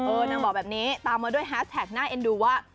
นางบอกแบบนี้ตามมาด้วยแฮสแท็กน่าเอ็นดูว่า